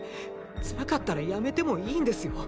辛かったらやめてもいいんですよ？